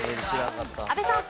阿部さん。